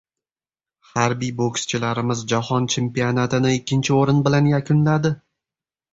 Harbiy bokschilarimiz jahon chempionatini ikkinchi o‘rin bilan yakunladi